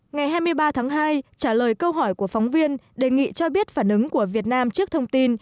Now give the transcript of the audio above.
ngày hai mươi ba tháng hai trả lời câu hỏi của phóng viên đề nghị cho biết phản ứng của việt nam trước thông tin